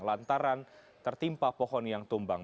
lantaran tertimpa pohon yang tumbang